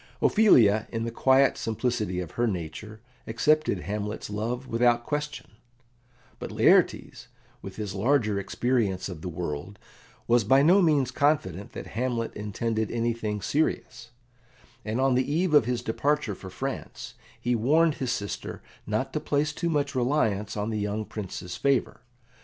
Ophelia, in the quiet simplicity of her nature, accepted Hamlet's love without question; but Laertes, with his larger experience of the world, was by no means confident that Hamlet intended anything serious, and on the eve of his departure for France he warned his sister not to place too much reliance on the young Prince's favour.